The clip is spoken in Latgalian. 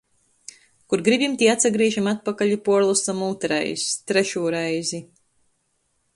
Kur gribim, tī atsagrīžam atpakaļ i puorlosom ūtrreiz, trešū reizi.